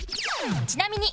ちなみに